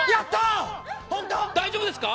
大丈夫ですか？